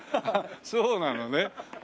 そうなのね。